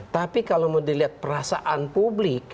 tapi kalau mau dilihat perasaan publik